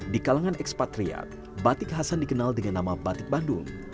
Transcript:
di kalangan ekspatriat batik khasan dikenal dengan nama batik bandung